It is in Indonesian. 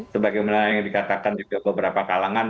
sebagaimana yang dikatakan juga beberapa kalangan